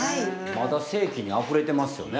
まだ生気にあふれてますよね。